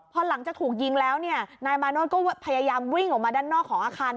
พอหลังจากถูกยิงแล้วเนี่ยนายมาโนธก็พยายามวิ่งออกมาด้านนอกของอาคาร